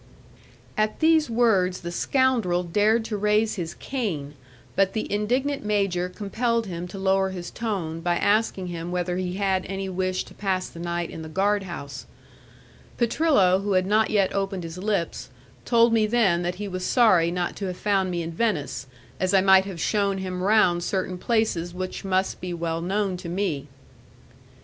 At these words the scoundrel dared to raise his cane, but the indignant major compelled him to lower his tone by asking him whether he had any wish to pass the night in the guard house. Petrillo, who had not yet opened his lips, told me then that he was sorry not to have found me in Venice, as I might have shewn him round certain places which must be well known to me.